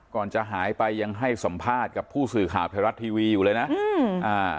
ก่อนจะหายไปยังให้สัมภาษณ์กับผู้สื่อข่าวไทยรัฐทีวีอยู่เลยนะอืมอ่า